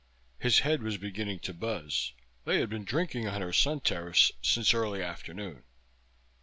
His head was beginning to buzz. They had been drinking on her sun terrace since early afternoon.